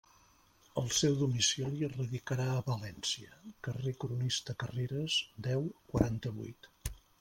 El seu domicili radicarà a València, carrer Cronista Carreres, deu, quaranta-vuit.